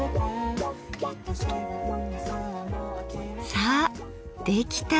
さあできた！